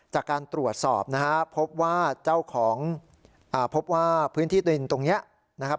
จากการตรวจสอบนะฮะพบว่าพื้นที่ดินตรงเนี้ยนะครับ